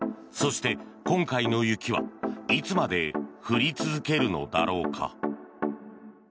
そして、今回の雪はいつまで降り続けるのだろうか。